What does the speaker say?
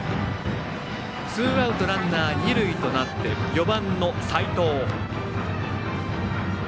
ツーアウトランナー、二塁となって４番の齋藤。